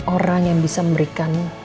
orang yang bisa memberikan